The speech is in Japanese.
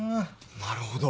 なるほど。